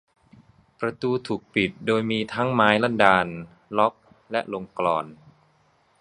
ประตูถูกปิดโดยมีทั้งไม้ลั่นดาล ล็อค และลงกลอน